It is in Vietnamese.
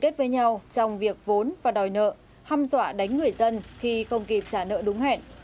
trong việc vốn và đòi nợ hăm dọa đánh người dân khi không kịp trả nợ đúng hẹn